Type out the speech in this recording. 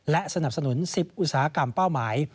และสนับสนุน๑๐อุตสาหกรรมเป้าหมาย